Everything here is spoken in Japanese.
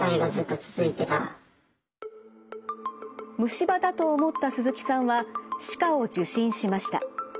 虫歯だと思った鈴木さんは歯科を受診しました。